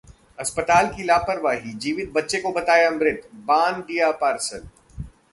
अस्पताल की लापरवाही, जीवित बच्चे को बताया मृत, बांध दिया पार्सल